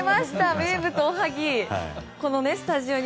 名物、おはぎ。